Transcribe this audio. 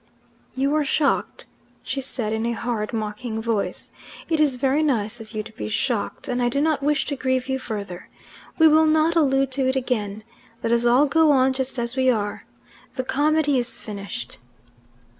"You are shocked," she said in a hard, mocking voice, "It is very nice of you to be shocked, and I do not wish to grieve you further. We will not allude to it again. Let us all go on just as we are. The comedy is finished."